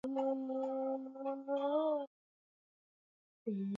kukubali utumwa au la madola ya kusinimashariki yalitangaza